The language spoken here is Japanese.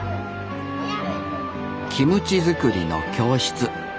キムチ作りの教室。